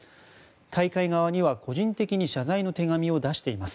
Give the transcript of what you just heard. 大会側には個人的に謝罪の手紙を出しています。